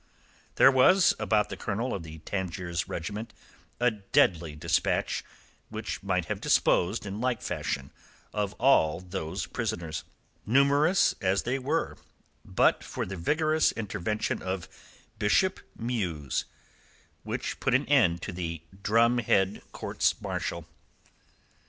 There was about the Colonel of the Tangiers Regiment a deadly despatch which might have disposed in like fashion of all those prisoners, numerous as they were, but for the vigorous intervention of Bishop Mews, which put an end to the drumhead courts martial.